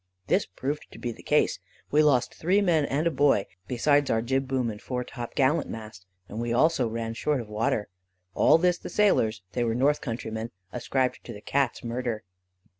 This proved to be the case. We lost three men and a boy, besides our jibboom and fore top gallant mast, and we also ran short of water. All this the sailors (they were North country men) ascribed to the Cat's murder.